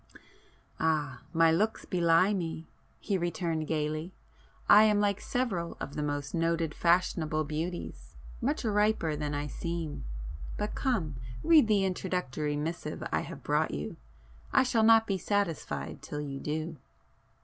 "Ah, my looks belie me!" he returned gaily—"I am like several of the most noted fashionable beauties,—much riper than I seem. But come, read the introductory missive I have brought you,—I shall not be satisfied till you do."